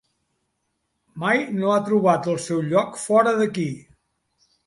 Mai no ha trobat el seu lloc, fora d'aquí.